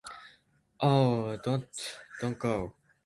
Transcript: Oh, don’t, don’t go.